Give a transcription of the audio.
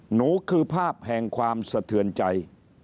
หนูคือภาพแห่งความสะเทือนใจ